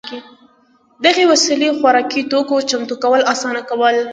دغې وسیلې خوراکي توکو چمتو کول اسانه کول